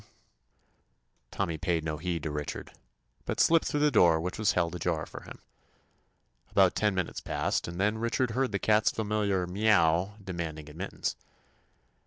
121 THE ADVENTURES OF Tommy paid no heed to Richard, but slipped through the door which was held ajar for him. About ten minutes passed, and then Richard heard the cat's familiar "Meow" de manding admittance.